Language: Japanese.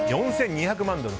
４２００万ドル。